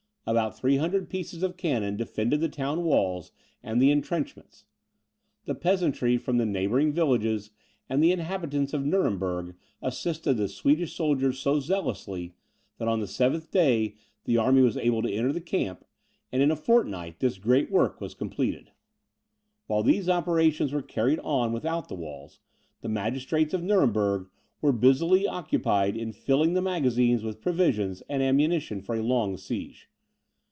About three hundred pieces of cannon defended the town walls and the intrenchments. The peasantry from the neighbouring villages, and the inhabitants of Nuremberg, assisted the Swedish soldiers so zealously, that on the seventh day the army was able to enter the camp, and, in a fortnight, this great work was completed. While these operations were carried on without the walls, the magistrates of Nuremberg were busily occupied in filling the magazines with provisions and ammunition for a long siege.